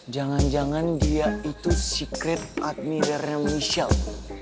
jangan jangan dia itu secret admirer nya michelle